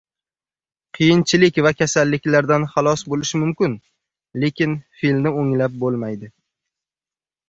• Qiyinchilik va kasalliklardan xalos bo‘lish mumkin, lekin fe’lni o‘nglab bo‘lmaydi.